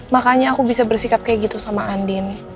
makanya aku bisa bersikap kayak gitu sama andin